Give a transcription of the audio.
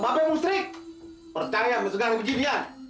mbak mbak musrik percaya masal masal ini